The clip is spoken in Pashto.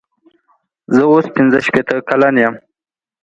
اوس پنځه شپېته کلن یم.